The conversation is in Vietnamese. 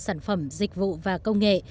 sản phẩm dịch vụ và công nghệ